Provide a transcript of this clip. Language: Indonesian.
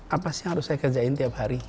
apa sih yang harus saya kerjain tiap hari